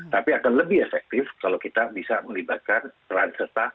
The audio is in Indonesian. tapi akan lebih efektif kalau kita bisa melibatkan peran serta